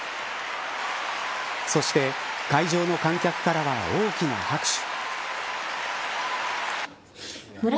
そして会場の観客からは大きな拍手。